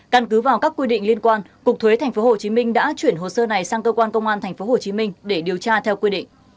căn cứ vào các quy định liên quan cục thuế tp hcm đã chuyển hồ sơ này sang cơ quan công an tp hcm để điều tra theo quy định